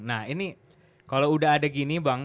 nah ini kalau udah ada gini bang